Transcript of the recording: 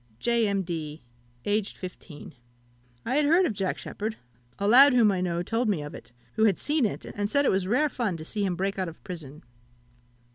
"J. M'D. (aged 15). I have heard of Jack Sheppard: a lad whom I know told me of it, who had seen it, and said it was rare fun to see him break out of prison.